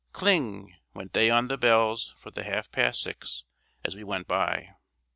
Kling went they on the bells for the half past six as we went by.